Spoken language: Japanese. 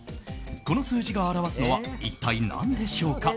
この数字が表わすのは一体何でしょうか。